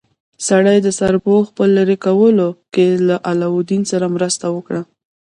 سړي د سرپوښ په لرې کولو کې له علاوالدین سره مرسته وکړه.